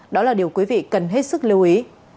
đó là điều quý vị cần hết sức lưu ý